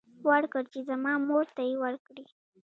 ورکړ چې زما مور ته يې ورکړي.